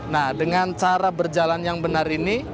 nah dengan cara berjalan yang benar ini